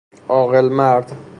عاقل مرد